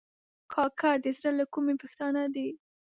کاکړ د زړه له کومي پښتانه دي.